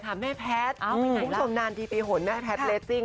คุณผู้ชมนานพี่ปีฝนแม่แพทลีตซิ้ง